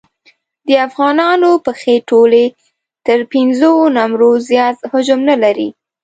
د افغانانو پښې ټولې تر پېنځو نمبرو زیات حجم نه لري.